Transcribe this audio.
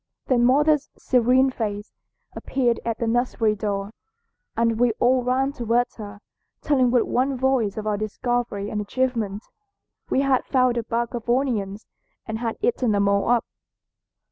Then mother's serene face appeared at the nursery door and we all ran towards her, telling with one voice of our discovery and achievement. We had found a bag of onions and had eaten them all up.